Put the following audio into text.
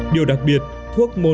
điều đặc biệt thuốc môn